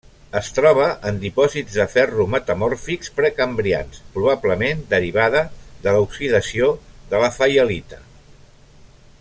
Es troba en dipòsits de ferro metamòrfics precambrians, probablement derivada de l'oxidació de la faialita.